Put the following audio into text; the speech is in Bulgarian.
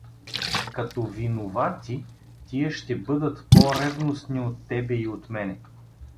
Като виновати, тия ще бъдат по-ревностни от тебе и от мене.